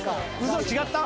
嘘違った。